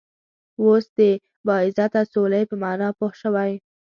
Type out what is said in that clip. وس د باعزته سولی په معنا پوهه شوئ